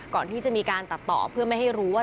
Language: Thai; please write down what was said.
ก่อนที่จะมีการตัดต่อเพื่อไม่ให้รู้ว่า